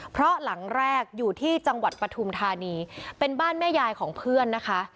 เพราะหลังแรกอยู่ที่จังหวัดปฐุมธานีเป็นบ้านแม่ยายของเพื่อนนะคะ